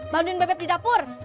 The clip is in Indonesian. bantuin bebep di dapur